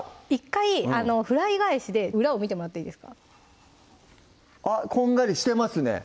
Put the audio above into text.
１回フライ返しで裏を見てもらっていいですかあっこんがりしてますね